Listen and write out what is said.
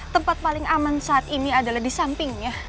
tempat paling aman saat ini adalah di sampingnya